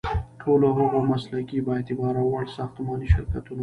ټولو هغو مسلکي، بااعتباره او وړ ساختماني شرکتونو